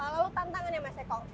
lalu tantangan yang apa